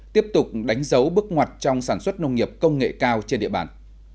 tiếp tục đánh dấu bước ngoặt trong sản xuất nông nghiệp công nghệ cao trên địa bàn